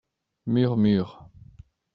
Murmures.